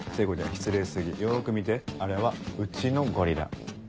失礼過ぎよく見てあれはうちのゴリラ。